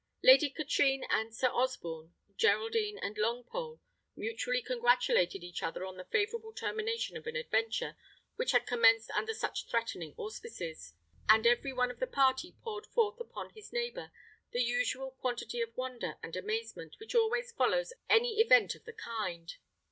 Lady Katrine and Sir Osborne, Geraldine and Longpole, mutually congratulated each other on the favourable termination of an adventure which had commenced under such threatening auspices; and every one of the party poured forth upon his neighbour the usual quantity of wonder and amazement which always follows any event of the kind.